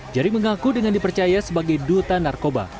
jering mengaku dengan dipercaya sebagai duta narkoba